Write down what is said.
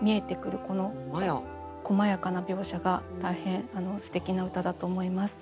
この細やかな描写が大変すてきな歌だと思います。